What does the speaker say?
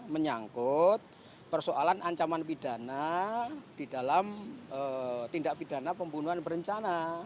menyangkut persoalan ancaman pidana di dalam tindak pidana pembunuhan berencana